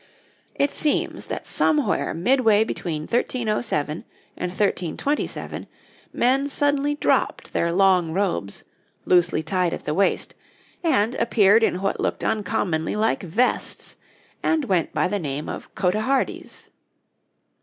It seems that somewhere midway between 1307 and 1327 men suddenly dropped their long robes, loosely tied at the waist, and appeared in what looked uncommonly like vests, and went by the name of 'cotehardies.'